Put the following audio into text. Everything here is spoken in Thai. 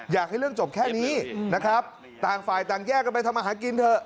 อยากให้เรื่องจบแค่นี้นะครับต่างฝ่ายต่างแยกกันไปทำอาหารกินเถอะ